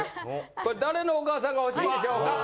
これ誰のお母さんが欲しいんでしょうか？